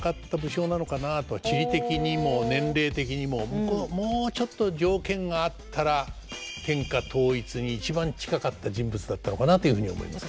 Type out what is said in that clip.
地理的にも年齢的にももうちょっと条件が合ったら天下統一に一番近かった人物だったのかなというふうに思いますね。